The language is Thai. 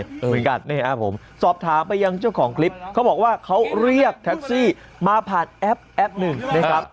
เหมือนกันนี่ครับผมสอบถามไปยังเจ้าของคลิปเขาบอกว่าเขาเรียกแท็กซี่มาผ่านแอปแอปหนึ่งนะครับ